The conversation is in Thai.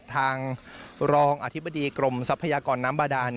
ทางรองอธิบดีกรมทรัพยากรน้ำบาดาน